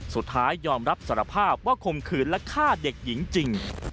สุดท้ายยอมรับสารภาพว่าคมคืนและฆ่าเด็กหญิงจริง